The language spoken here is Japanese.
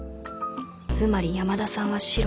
つまり山田さんはシロ。